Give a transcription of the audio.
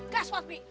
gas pak b